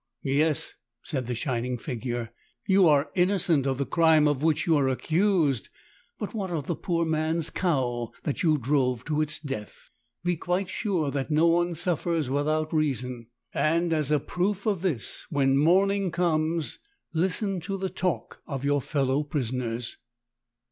''Yes," said the shining figure, "you are innocent of the crime of which you are ac cused : but what of the poor man's cow that you drove to its death ? Be quite sure that no one suffers without reason. And as a proof of this, when morning comes listen to the talk of your fellow prisoners."